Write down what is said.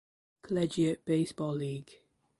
Collegiate Baseball League.